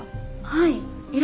はい。